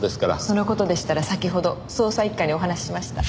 その事でしたら先ほど捜査一課にお話ししました。